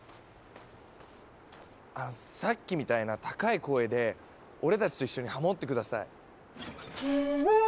さっきみたいな高い声で俺たちと一緒にハモって下さい。